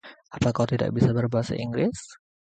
Apa kau tidak bisa berbahasa Inggris?